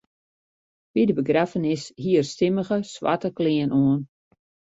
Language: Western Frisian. By de begraffenis hie er stimmige swarte klean oan.